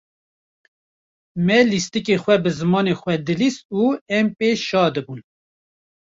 Me lîstîkên xwe bi zimanê xwe dilîst û em pê şa dibûn.